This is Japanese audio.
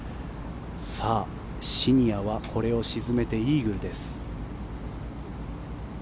さあ、シニアはこれを沈めてイーグルです。